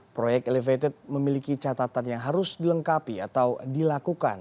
proyek elevated memiliki catatan yang harus dilengkapi atau dilakukan